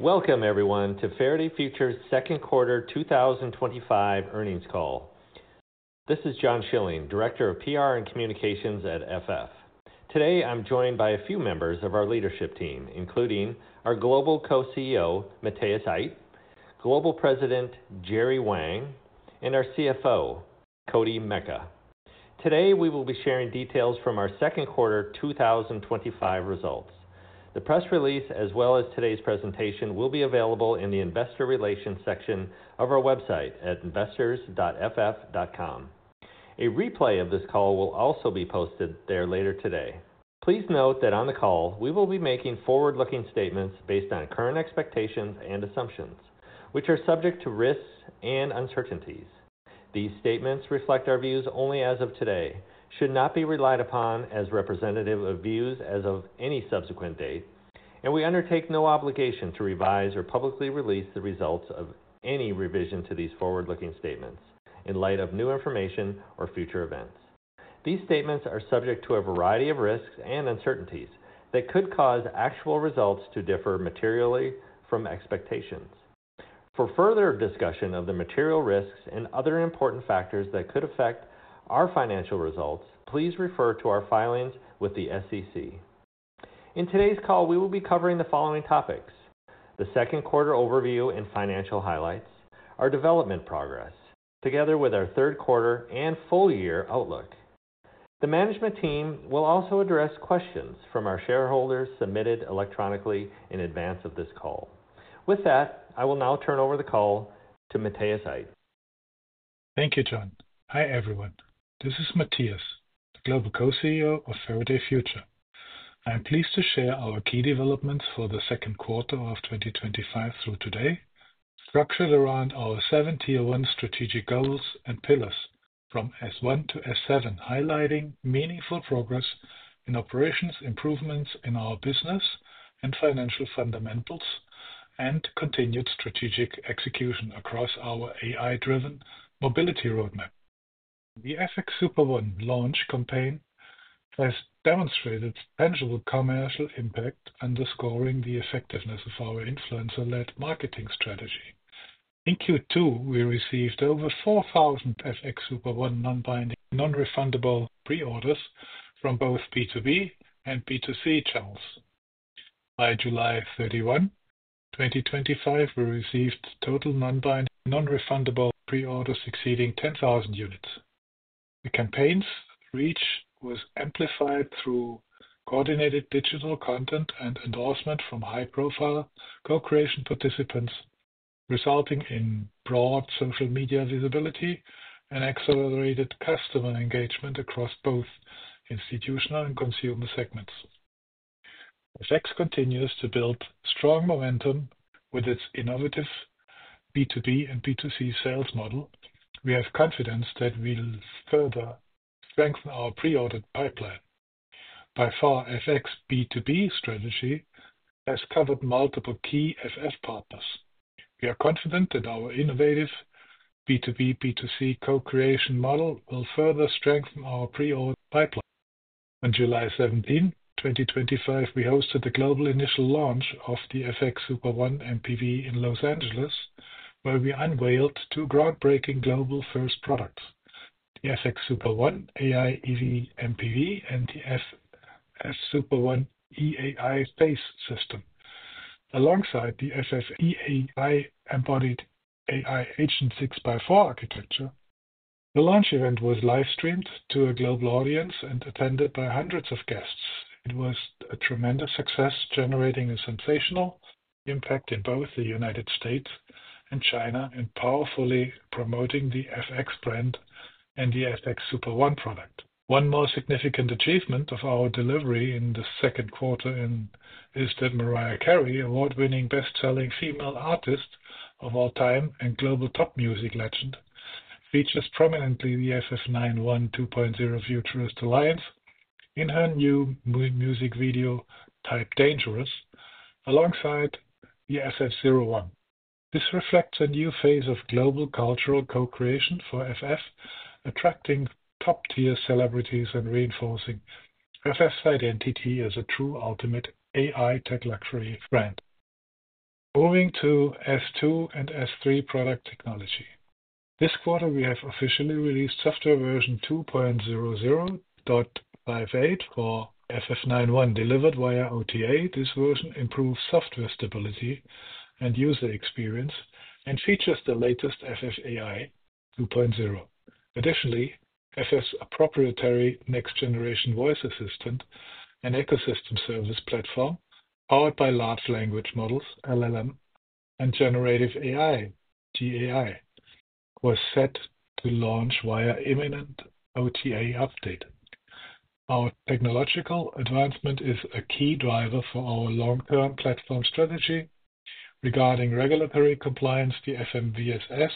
Welcome everyone, to Faraday Future's second quarter 2025 earnings call. This is John Schilling, Director of PR and Communications at FF. Today, I'm joined by a few members of our leadership team, including our Global Co-CEO, Matthias Aydt, Global President, Jerry Wang, and our CFO, Koti Meka. Today, we will be sharing details from our second quarter 2025 results. The press release, as well as today's presentation, will be available in the Investor Relations section of our website at investors.ff.com. A replay of this call will also be posted there later today. Please note that on the call, we will be making forward-looking statements based on current expectations and assumptions, which are subject to risks and uncertainties. These statements reflect our views only as of today, should not be relied upon as representative of views as of any subsequent date, and we undertake no obligation to revise or publicly release the results of any revision to these forward-looking statements in light of new information or future events. These statements are subject to a variety of risks and uncertainties that could cause actual results to differ materially from expectations. For further discussion of the material risks and other important factors that could affect our financial results, please refer to our filings with the SEC. In today's call, we will be covering the following topics: the second quarter overview and financial highlights, our development progress, together with our third quarter and full-year outlook. The management team will also address questions from our shareholders submitted electronically in advance of this call. With that, I will now turn over the call to Matthias Aydt. Thank you John. Hi, everyone. This is Matthias, the Global Co-CEO of Faraday Future. I am pleased to share our key developments for the second quarter of 2025 through today, structured around our seven-tier strategic goals and pillars from S1 -S7, highlighting meaningful progress in operations, improvements in our business and financial fundamentals, and continued strategic execution across our AI-driven mobility roadmap. The FX Super One launch campaign has demonstrated tangible commercial impact, underscoring the effectiveness of our influencer-led marketing strategy. In Q2, we received over 4,000 FX Super One non-refundable pre-orders from both B2B and B2C channels. By July 31, 2025, we received total non-refundable pre-orders exceeding 10,000 units. The campaign's reach was amplified through coordinated digital content and endorsement from high-profile co-creation participants, resulting in broad social media visibility and accelerated customer engagement across both institutional and consumer segments. FX continues to build strong momentum with its innovative B2B and B2C sales model. We have confidence that we'll further strengthen our pre-order pipeline. By far, FX's B2B strategy has covered multiple key FF partners. We are confident that our innovative B2B/B2C co-creation model will further strengthen our pre-order pipeline. On July 17, 2025, we hosted the global initial launch of the FX Super One MPV in Los Angeles, where we unveiled two groundbreaking global-first products: the FX Super One AI EV MPV and the FX Super One eAI Base System. Alongside the FX eAI embodied AI agent 6x4 architecture, the launch event was live-streamed to a global audience and attended by hundreds of guests. It was a tremendous success, generating a sensational impact in both the United States and China and powerfully promoting the FX brand and the FX Super One product. One more significant achievement of our delivery in the second quarter is that Mariah Carey, award-winning best-selling female artist of all time and global pop music legend, features prominently the FF 91 2.0 Futurist Alliance in her new music video titled "Dangerous," alongside the FF 91. This reflects a new phase of global cultural co-creation for FF, attracting top-tier celebrities and reinforcing FF's identity as a true ultimate AI tech luxury brand. Moving to S2 and S3 product technology. This quarter, we have officially released software version 2.0.58 for FF 91, delivered via OTA. This version improves software stability and user experience and features the latest FFAI 2.0. Additionally, FF's proprietary next-generation voice assistant and ecosystem service platform, powered by large language models (LLM) and generative AI (GAI), was set to launch via imminent OTA update. Our technological advancement is a key driver for our long-term platform strategy. Regarding regulatory compliance, the FMVSS,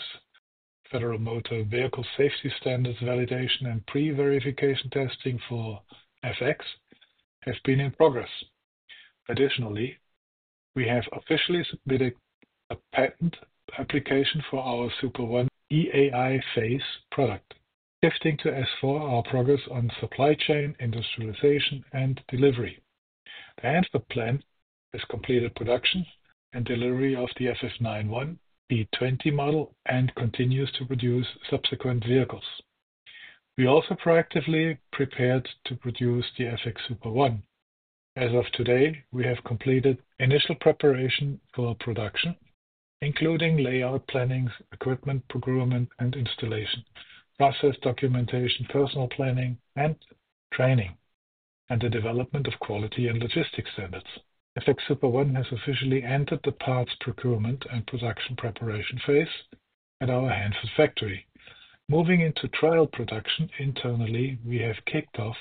Federal Motor Vehicle Safety Standards Validation and Pre-Verification Testing for FX, has been in progress. Additionally, we have officially submitted a patent application for our Super One eAI Base product. Shifting to S4, our progress on supply chain, industrialization, and delivery. The Hanford plant has completed production and delivery of the FF 91 B2.0 model and continues to produce subsequent vehicles. We also proactively prepared to produce the FX Super One. As of today, we have completed initial preparation for production, including layout planning, equipment procurement and installation, process documentation, personnel planning and training, and the development of quality and logistics standards. FX Super One has officially entered the parts procurement and production preparation phase at our Hanford factory. Moving into trial production internally, we have kicked off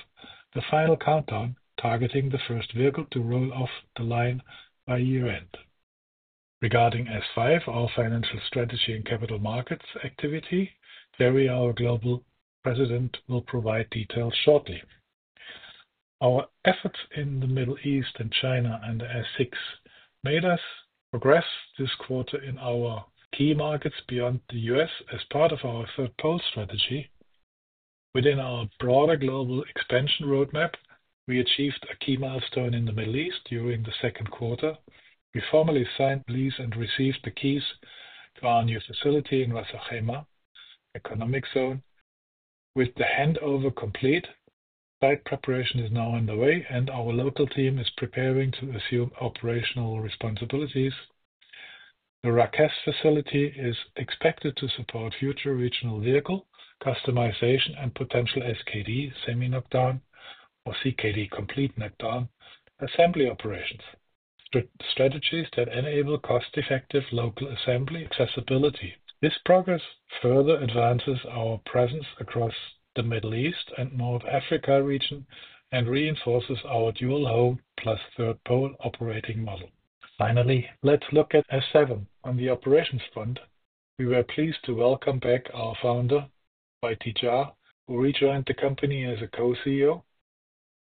the final countdown, targeting the first vehicle to roll off the line by year-end. Regarding S5, our financial strategy and capital markets activity, Jerry, our Global President, will provide details shortly. Our efforts in the Middle East and China under S6 made us progress this quarter in our key markets beyond the U.S. as part of our third pole strategy. Within our broader global expansion roadmap, we achieved a key milestone in the Middle East during the second quarter. We formally signed the lease and received the keys to our new facility in Wasserheimer economic zone. With the handover complete, site preparation is now underway, and our local team is preparing to assume operational responsibilities. The Wasserheimer facility is expected to support future regional vehicle customization and potential SKD semi-knockdown or CKD complete knockdown assembly operations with strategies that enable cost-effective local assembly accessibility. This progress further advances our presence across the Middle East and North Africa region and reinforces our dual home plus third pole operating model. Finally, let's look at S7. On the operations front, we were pleased to welcome back our founder, YT Jia, who rejoined the company as a Co-CEO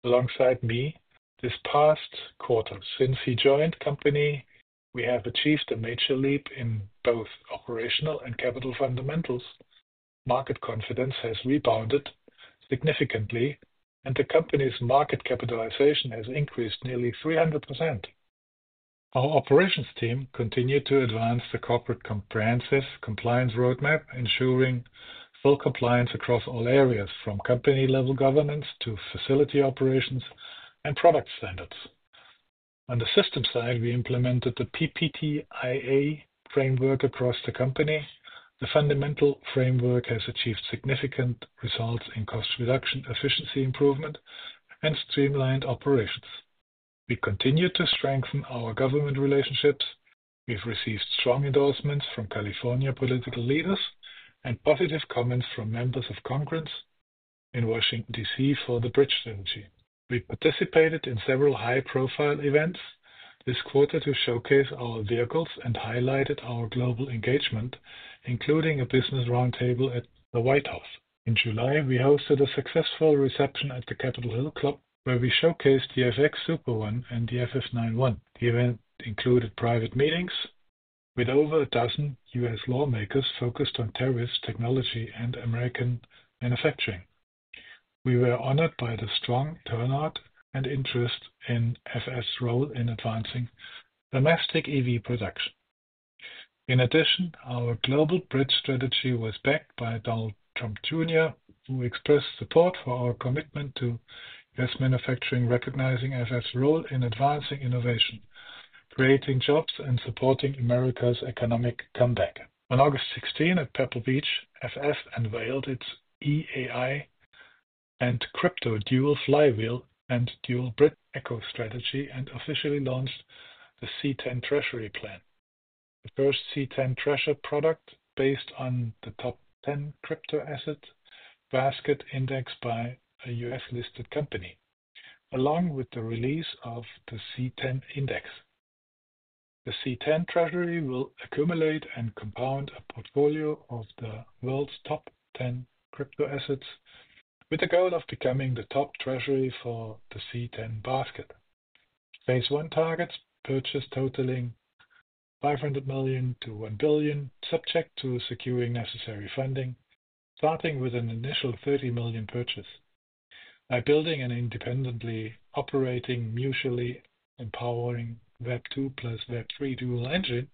alongside me this past quarter. Since he joined the company, we have achieved a major leap in both operational and capital fundamentals. Market confidence has rebounded significantly, and the company's market capitalization has increased nearly 300%. Our operations team continued to advance the corporate comprehensive compliance roadmap, ensuring full compliance across all areas, from company-level governance to facility operations and product standards. On the system side, we implemented the PPTIA framework across the company. The fundamental framework has achieved significant results in cost reduction, efficiency improvement, and streamlined operations. We continue to strengthen our government relationships. We've received strong endorsements from California political leaders and positive comments from members of Congress in Washington, D.C., for the Bridge Synergy. We participated in several high-profile events this quarter to showcase our vehicles and highlighted our global engagement, including a business roundtable at the White House. In July, we hosted a successful reception at the Capitol Hill Club, where we showcased the FX Super One and the FF 91. The event included private meetings with over a dozen U.S. lawmakers focused on tariffs, technology, and American manufacturing. We were honored by the strong turnout and interest in FF's role in advancing domestic EV production. In addition, our global bridge strategy was backed by Donald Trump Jr., who expressed support for our commitment to U.S. manufacturing, recognizing FF's role in advancing innovation, creating jobs, and supporting America's economic comeback. On August 16 at Pebble Beach, FF unveiled its eAI and crypto dual flywheel and dual Brit eco strategy and officially launched the C10 Treasury Plan, the first C10 Treasury product based on the top 10 crypto assets basket indexed by a U.S.-listed company, along with the release of the C10 Index. The C10 Treasury will accumulate and compound a portfolio of the world's top 10 crypto assets with the goal of becoming the top treasury for the C10 basket. Phase 1 targets purchases totaling $500 million to $1 billion, subject to securing necessary funding, starting with an initial $30 million purchase. By building an independently operating, mutually empowering Web2 plus Web3 dual engine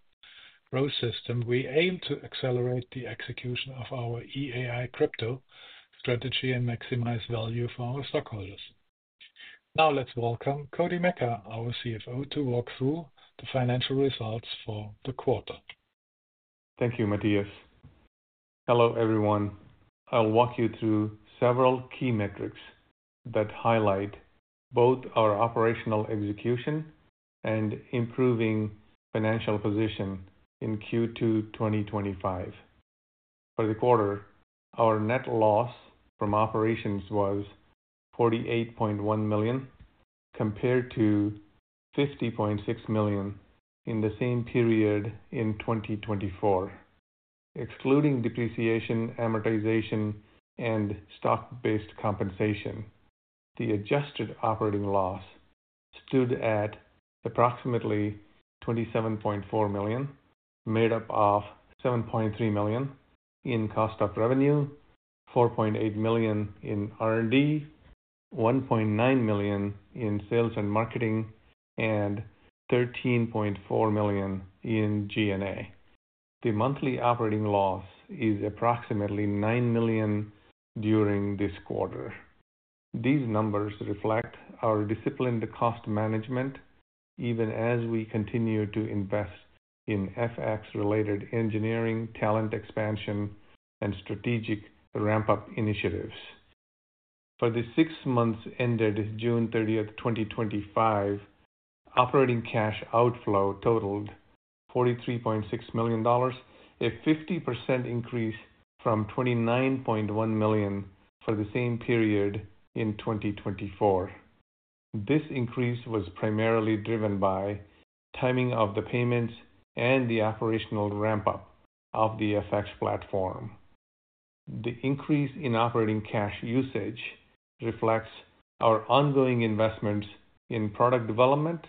growth system, we aim to accelerate the execution of our eAI crypto strategy and maximize value for our stockholders. Now let's welcome Koti Meka, our CFO, to walk through the financial results for the quarter. Thank you, Matthias. Hello, everyone. I'll walk you through several key metrics that highlight both our operational execution and improving financial position in Q2 2025. For the quarter, our net loss from operations was $48.1 million compared to $50.6 million in the same period in 2024. Excluding depreciation, amortization, and stock-based compensation, the adjusted operating loss stood at approximately $27.4 million, made up of $7.3 million in cost of revenue, $4.8 million in R&D, $1.9 million in sales and marketing, and $13.4 million in G&A. The monthly operating loss is approximately $9 million during this quarter. These numbers reflect our disciplined cost management, even as we continue to invest in FF-related engineering, talent expansion, and strategic ramp-up initiatives. For the six months ended June 30, 2025, operating cash outflow totaled $43.6 million, a 50% increase from $29.1 million for the same period in 2024. This increase was primarily driven by the timing of the payments and the operational ramp-up of the FX platform. The increase in operating cash usage reflects our ongoing investments in product development,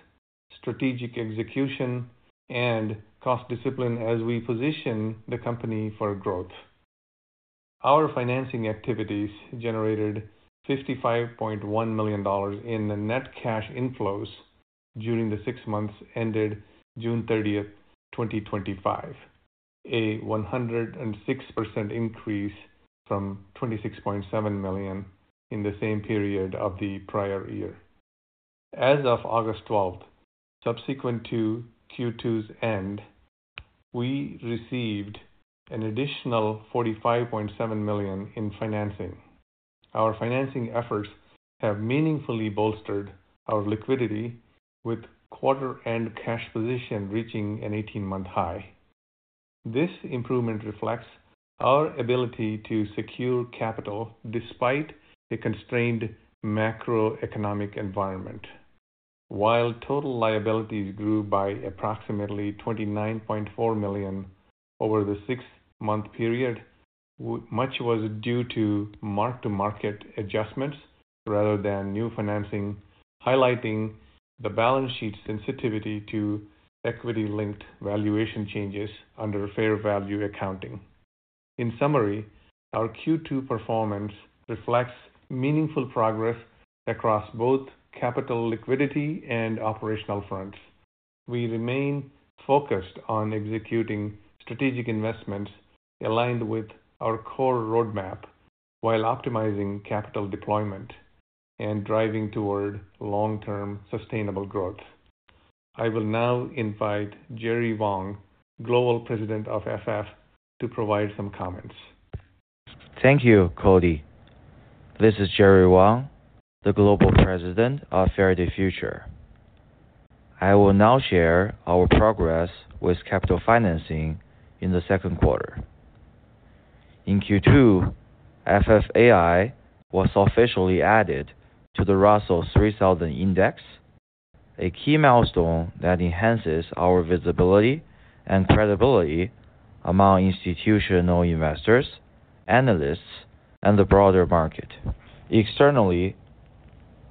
strategic execution, and cost discipline as we position the company for growth. Our financing activities generated $55.1 million in net cash inflows during the six months ended June 30, 2025, a 106% increase from $26.7 million in the same period of the prior year. As of August 12, subsequent to Q2's end, we received an additional $45.7 million in financing. Our financing efforts have meaningfully bolstered our liquidity, with quarter-end cash position reaching an 18-month high. This improvement reflects our ability to secure capital despite a constrained macroeconomic environment. While total liabilities grew by approximately $29.4 million over the six-month period, much was due to mark-to-market adjustments rather than new financing, highlighting the balance sheet's sensitivity to equity-linked valuation changes under fair value accounting. In summary, our Q2 performance reflects meaningful progress across both capital liquidity and operational fronts. We remain focused on executing strategic investments aligned with our core roadmap while optimizing capital deployment and driving toward long-term sustainable growth. I will now invite Jerry Wang, Global President of FF, to provide some comments. Thank you, Koti. This is Jerry Wang, the Global President of Faraday Future. I will now share our progress with capital financing in the second quarter. In Q2, FFAI was officially added to the Russell 3000 Index, a key milestone that enhances our visibility and credibility among institutional investors, analysts, and the broader market. Externally,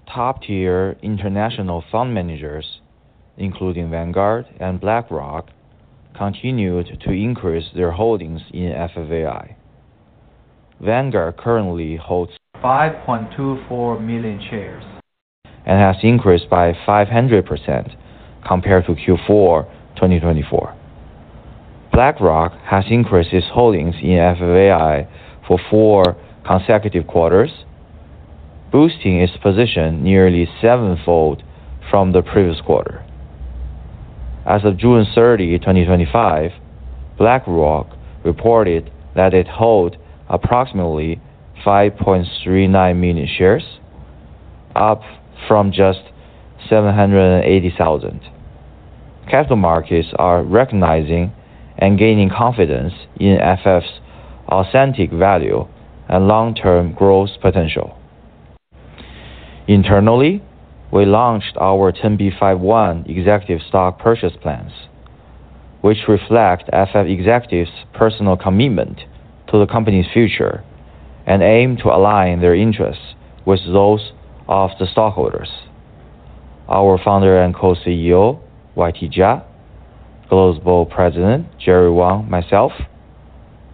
top-tier international fund managers, including Vanguard and BlackRock, continued to increase their holdings in FFAI. Vanguard currently holds 5.24 million shares and has increased by 500% compared to Q4 2024. BlackRock has increased its holdings in FFAI for four consecutive quarters, boosting its position nearly sevenfold from the previous quarter. As of June 30, 2025, BlackRock reported that it held approximately 5.39 million shares, up from just 780,000. Capital markets are recognizing and gaining confidence in FF's authentic value and long-term growth potential. Internally, we launched our 10B5-1 executive stock purchase plans, which reflect FF executives' personal commitment to the company's future and aim to align their interests with those of the stockholders. Our Founder and Co-CEO, YT Jia, Global President, Jerry Wang, myself,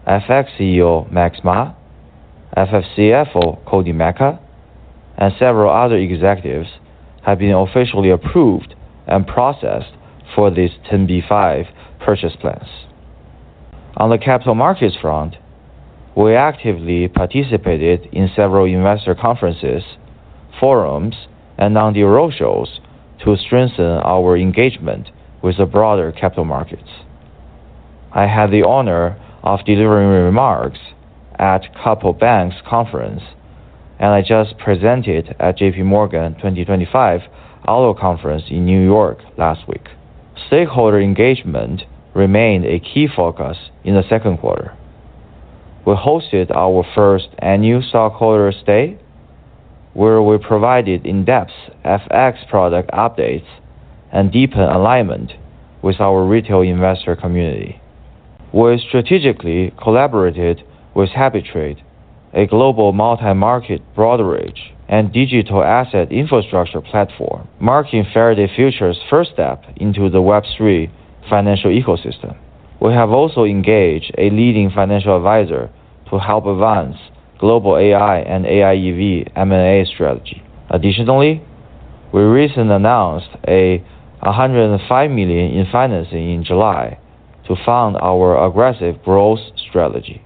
FX CEO, Xiao Ma, FF's CFO, Koti Meka, and several other executives have been officially approved and processed for these 10B5-1 purchase plans. On the capital markets front, we actively participated in several investor conferences, forums, and non-deal roadshows to strengthen our engagement with the broader capital markets. I had the honor of delivering remarks at the Copper Bank's conference, and I just presented at the JPMorgan 2025 auto conference in New York last week. Stakeholder engagement remained a key focus in the second quarter. We hosted our first annual stockholders' day, where we provided in-depth FX product updates and deepened alignment with our retail investor community. We strategically collaborated with HappyTrade, a global multi-market brokerage and digital asset infrastructure platform, marking Faraday Future's first step into the Web3 financial ecosystem. We have also engaged a leading financial advisor to help advance global AI and AI EV M&A strategy. Additionally, we recently announced $105 million in financing in July to fund our aggressive growth strategy.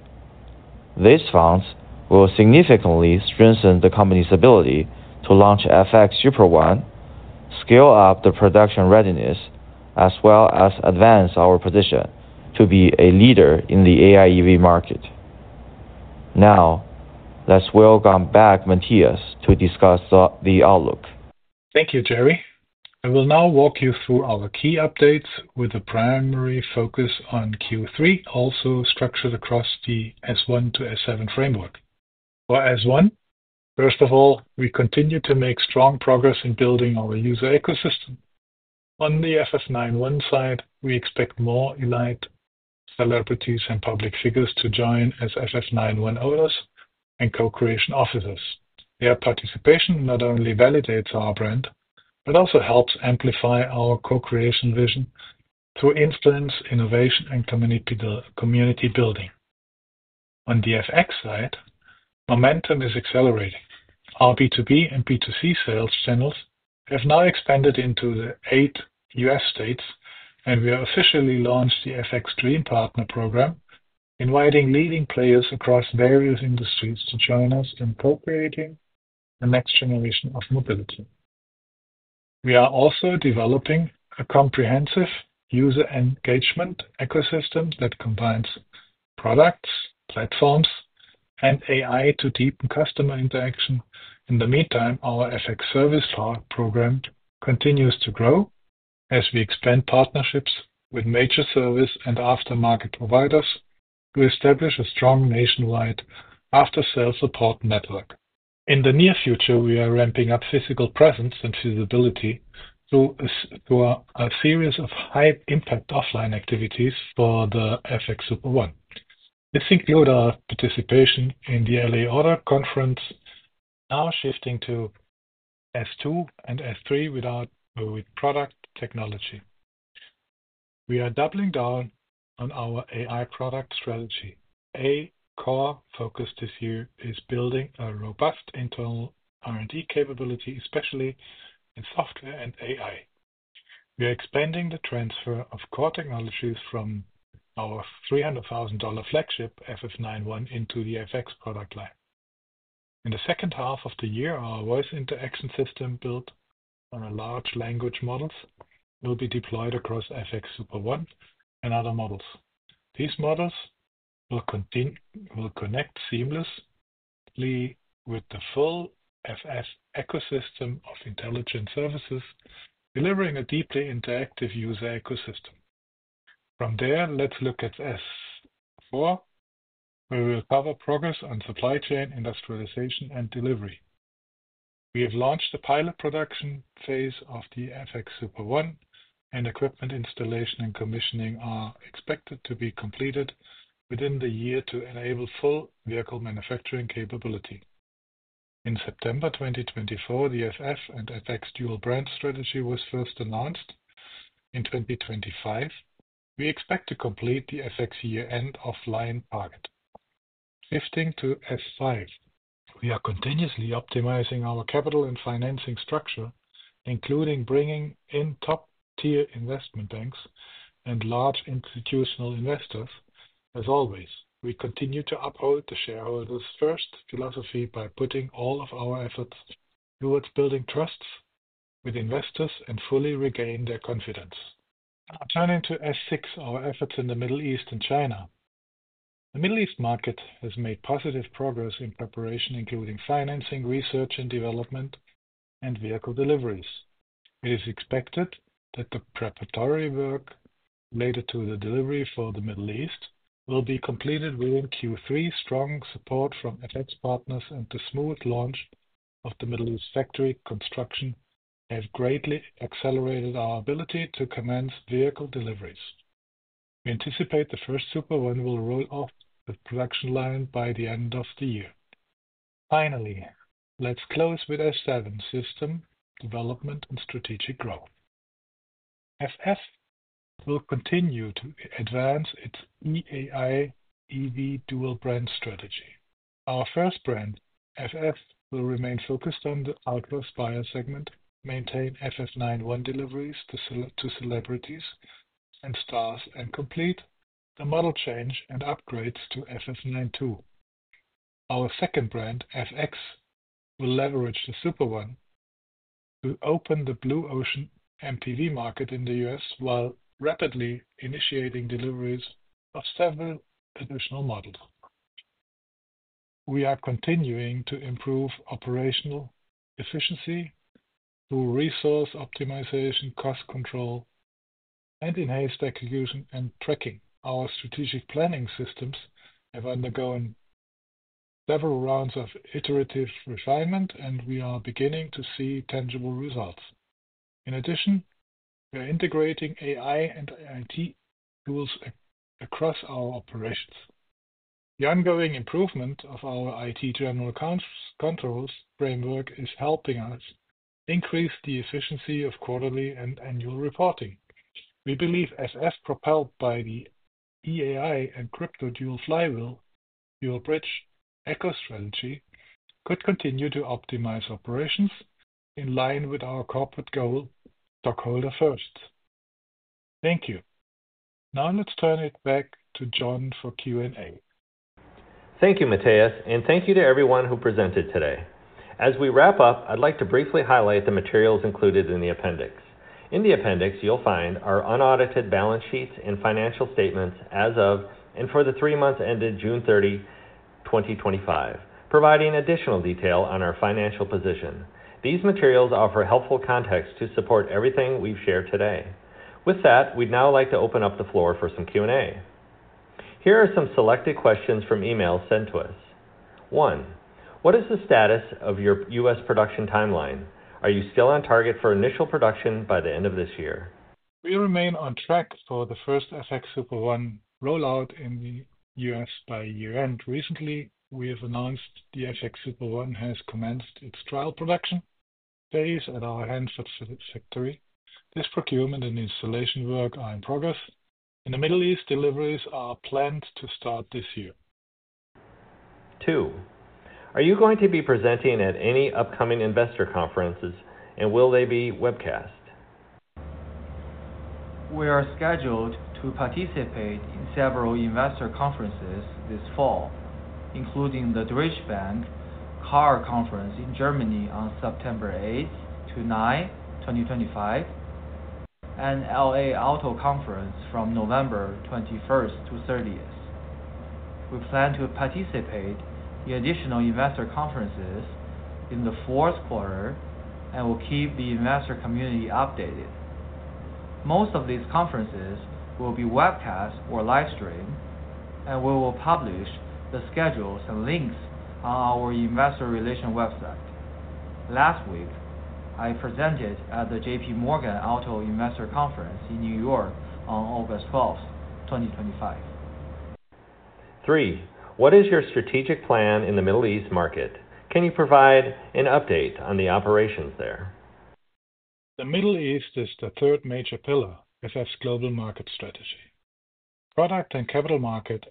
This fund will significantly strengthen the company's ability to launch FX Super One, scale up the production readiness, as well as advance our position to be a leader in the AI EV market. Now, let's welcome back Matthias to discuss the outlook. Thank you, Jerry. I will now walk you through our key updates with a primary focus on Q3, also structured across the S1 to S7 framework. For S1, first of all, we continue to make strong progress in building our user ecosystem. On the FF 91 side, we expect more elite celebrities and public figures to join as FF 91 owners and co-creation officers. Their participation not only validates our brand but also helps amplify our co-creation vision through instance, innovation, and community building. On the FX side, momentum is accelerating. Our B2B and B2C sales channels have now expanded into eight U.S. states, and we have officially launched the FX Dream Partner program, inviting leading players across various industries to join us in co-creating the next generation of mobility. We are also developing a comprehensive user engagement ecosystem that combines products, platforms, and AI to deepen customer interaction. In the meantime, our FX service program continues to grow as we expand partnerships with major service and aftermarket providers to establish a strong nationwide after-sales support network. In the near future, we are ramping up physical presence and visibility through a series of high-impact offline activities for the FX Super One. This includes our participation in the LA Auto Conference. Now shifting to S2 and S3 with product technology. We are doubling down on our AI product strategy. A core focus this year is building a robust internal R&D capability, especially in software and AI. We are expanding the transfer of core technologies from our $300,000 flagship FF 91 into the FX product line. In the second half of the year, our voice interaction system built on large language models will be deployed across FX Super One and other models. These models will connect seamlessly with the full FF ecosystem of intelligent services, delivering a deeply interactive user ecosystem. From there, let's look at S4. We will cover progress on supply chain, industrialization, and delivery. We have launched the pilot production phase of the FX Super One, and equipment installation and commissioning are expected to be completed within the year to enable full vehicle manufacturing capability. In September 2024, the FF and FX dual brand strategy was first announced. In 2025, we expect to complete the FX year-end offline target. Shifting to S5, we are continuously optimizing our capital and financing structure, including bringing in top-tier investment banks and large institutional investors. As always, we continue to uphold the shareholders' first philosophy by putting all of our efforts towards building trust with investors and fully regaining their confidence. Now turning to S6, our efforts in the Middle East and China. The Middle East market has made positive progress in preparation, including financing, research and development, and vehicle deliveries. It is expected that the preparatory work related to the delivery for the Middle East will be completed within Q3. Strong support from FX partners and the smooth launch of the Middle East factory construction have greatly accelerated our ability to commence vehicle deliveries. We anticipate the first FX Super One will roll off the production line by the end of the year. Finally, let's close with S7 system development and strategic growth. FF will continue to advance its eAI EV dual brand strategy. Our first brand, FF, will remain focused on the outdoor buyer segment, maintain FF 91 deliveries to celebrities and stars, and complete the model change and upgrades to FF 91 2.0. Our second brand, FX, will leverage the FX Super One to open the Blue Ocean MPV market in the U.S. while rapidly initiating deliveries of several additional models. We are continuing to improve operational efficiency through resource optimization, cost control, and enhanced execution and tracking. Our strategic planning systems have undergone several rounds of iterative refinement, and we are beginning to see tangible results. In addition, we are integrating AI and IT tools across our operations. The ongoing improvement of our IT general controls framework is helping us increase the efficiency of quarterly and annual reporting. We believe FF, propelled by the eAI and crypto dual flywheel bridge eco strategy, could continue to optimize operations in line with our corporate goal, stockholder first. Thank you. Now let's turn it back to John for Q&A. Thank you, Matthias, and thank you to everyone who presented today. As we wrap up, I'd like to briefly highlight the materials included in the appendix. In the appendix, you'll find our unaudited balance sheets and financial statements as of and for the three months ended June 30, 2025, providing additional detail on our financial position. These materials offer helpful context to support everything we've shared today. With that, we'd now like to open up the floor for some Q&A. Here are some selected questions from emails sent to us. One, what is the status of your U.S. production timeline? Are you still on target for initial production by the end of this year? We remain on track for the first FX Super One rollout in the U.S. by year-end. Recently, we have announced the FX Super One has commenced its trial production phase at our Hanford factory. This procurement and installation work is in progress. In the Middle East, deliveries are planned to start this year. Two, are you going to be presenting at any upcoming investor conferences, and will they be webcast? We are scheduled to participate in several investor conferences this fall. including the Deutsche Bank Car Conference in Germany on September 8-9, 2025, and LA Auto Conference from November 21-30. We plan to participate in additional investor conferences in the fourth quarter and will keep the investor community updated. Most of these conferences will be webcast or live streamed, and we will publish the schedules and links on our Investor Relations website. Last week, I presented at the JPMorgan Auto Investor Conference in New York on August 12, 2025. Three, what is your strategic plan in the Middle East market? Can you provide an update on the operations there? The Middle East is the third major pillar of FF's global market strategy. Product and capital markets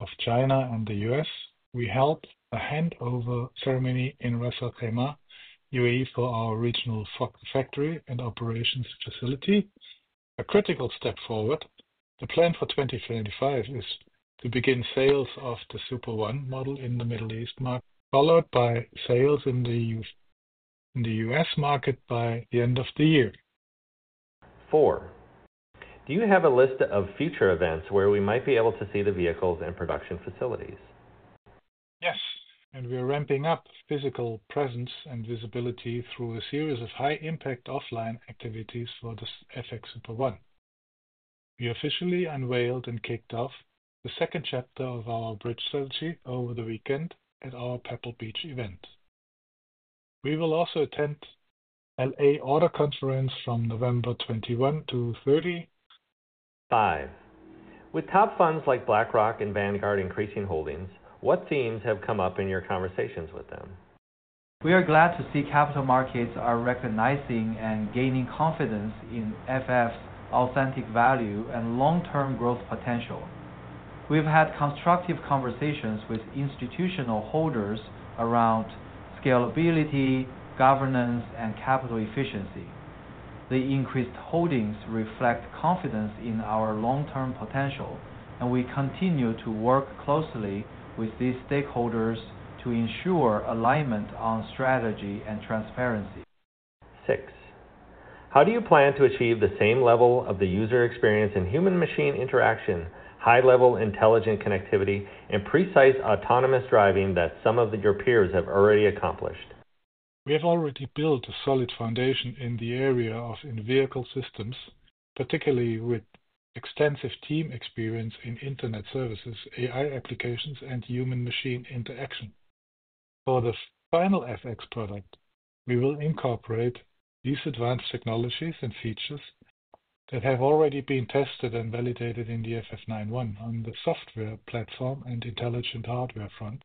of China and the U.S. We held a handover ceremony in Wasserheimer, UAE, for our regional factory and operations facility. A critical step forward, the plan for 2025 is to begin sales of the FX Super One model in the Middle East market, followed by sales in the U.S. market by the end of the year. Four, do you have a list of future events where we might be able to see the vehicles in production facilities? Yes, we are ramping up physical presence and visibility through a series of high-impact offline activities for the FX Super One. We officially unveiled and kicked off the second chapter of our bridge strategy over the weekend at our Pebble Beach event. We will also attend the LA Auto Conference from November 21 to 30. Five, with top funds like BlackRock and Vanguard increasing holdings, what themes have come up in your conversations with them? We are glad to see capital markets are recognizing and gaining confidence in FF's authentic value and long-term growth potential. We've had constructive conversations with institutional holders around scalability, governance, and capital efficiency. The increased holdings reflect confidence in our long-term potential, and we continue to work closely with these stakeholders to ensure alignment on strategy and transparency. Six, how do you plan to achieve the same level of the user experience in human-machine interaction, high-level intelligent connectivity, and precise autonomous driving that some of your peers have already accomplished? We have already built a solid foundation in the area of vehicle systems, particularly with extensive team experience in internet services, AI applications, and human-machine interaction. For the final FX product, we will incorporate these advanced technologies and features that have already been tested and validated in the FF 91 on the software platform and intelligent hardware front.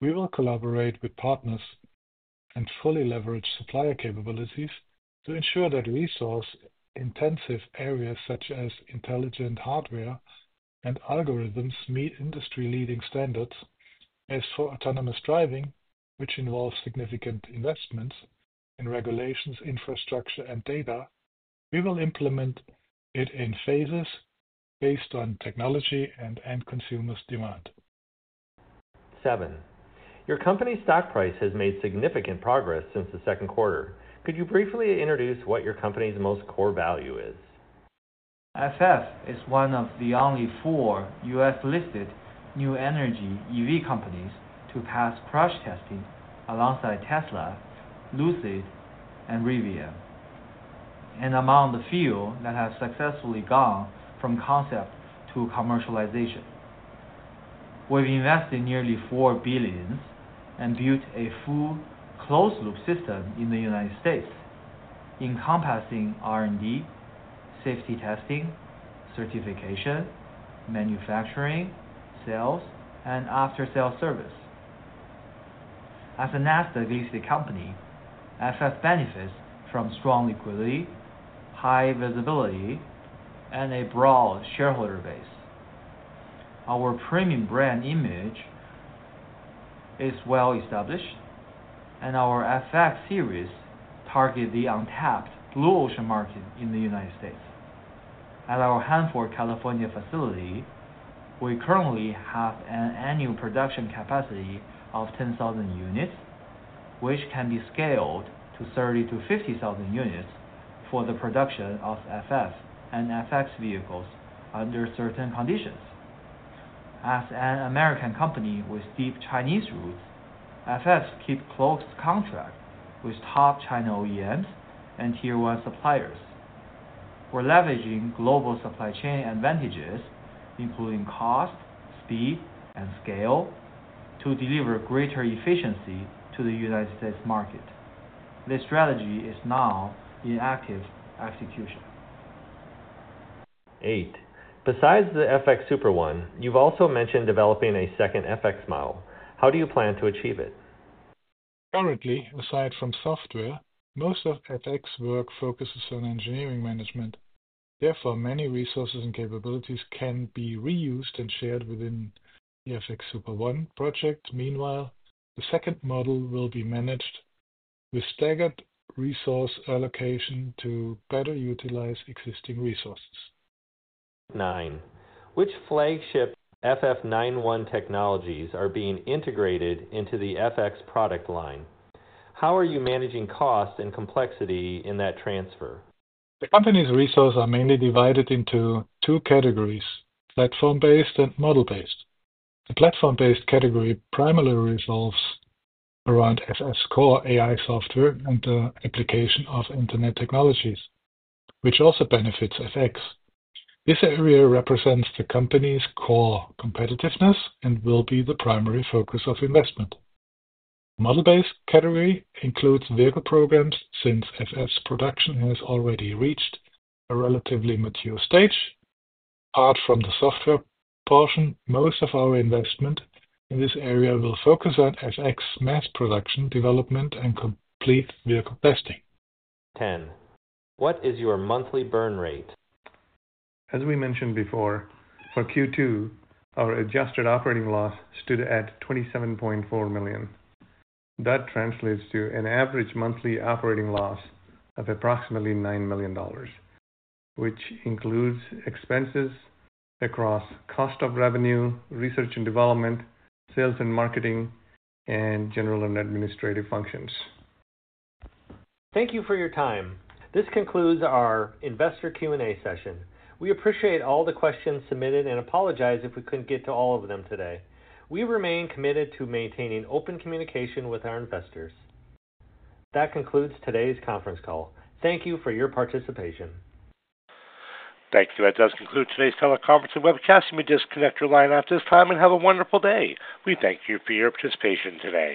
We will collaborate with partners and fully leverage supplier capabilities to ensure that resource-intensive areas such as intelligent hardware and algorithms meet industry-leading standards. As for autonomous driving, which involves significant investments in regulations, infrastructure, and data, we will implement it in phases based on technology and end consumers' demand. Seven, your company's stock price has made significant progress since the second quarter. Could you briefly introduce what your company's most core value is? FF is one of the only four U.S.-listed new energy EV companies to pass crash testing alongside Tesla, Lucid, and Rivian, and among the few that have successfully gone from concept to commercialization. We've invested nearly $4 billion and built a full closed-loop system in the United States, encompassing R&D, safety testing, certification, manufacturing, sales, and after-sales service. As a NASDAQ-listed company, FF benefits from strong liquidity, high visibility, and a broad shareholder base. Our premium brand image is well established, and our FF series targets the untapped Blue Ocean market in the United States. At our Hanford, California, facility, we currently have an annual production capacity of 10,000 units, which can be scaled to 30,000 to 50,000 units for the production of FF and FX vehicles under certain conditions. As an American company with deep Chinese roots, FF keeps a close contact with top China OEMs and tier-one suppliers. We're leveraging global supply chain advantages, including cost, speed, and scale, to deliver greater efficiency to the United States market. This strategy is now in active execution. Eight, besides the FX Super One, you've also mentioned developing a second FX model. How do you plan to achieve it? Currently, aside from software, most of FX's work focuses on engineering management. Therefore, many resources and capabilities can be reused and shared within the FX Super One project. Meanwhile, the second model will be managed with staggered resource allocation to better utilize existing resources. Nine, which flagship FF 91 technologies are being integrated into the FX product line? How are you managing cost and complexity in that transfer? The company's resources are mainly divided into two categories: platform-based and model-based. The platform-based category primarily revolves around FF's core AI software and the application of internet technologies, which also benefits FX. This area represents the company's core competitiveness and will be the primary focus of investment. The model-based category includes vehicle programs since FF's production has already reached a relatively mature stage. Apart from the software portion, most of our investment in this area will focus on FX's mass production development and complete vehicle testing. Ten, what is your monthly burn rate? As we mentioned before, for Q2, our adjusted operating loss stood at $27.4 million. That translates to an average monthly operating loss of approximately $9 million, which includes expenses across cost of revenue, research and development, sales and marketing, and general and administrative functions. Thank you for your time. This concludes our investor Q&A session. We appreciate all the questions submitted and apologize if we couldn't get to all of them today. We remain committed to maintaining open communication with our investors. That concludes today's conference call. Thank you for your participation. Thank you. That does conclude today's teleconferencing webcast. You may disconnect your line at this time and have a wonderful day. We thank you for your participation today.